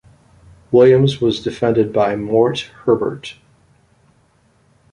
Williams was defended by Mort Herbert.